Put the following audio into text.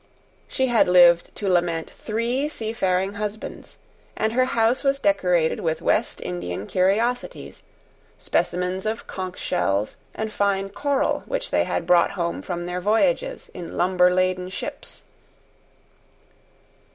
She had lived to lament three seafaring husbands, and her house was decorated with West Indian curiosities, specimens of conch shells and fine coral which they had brought home from their voyages in lumber laden ships.